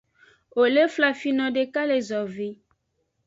Wo le flafino deka le zovi.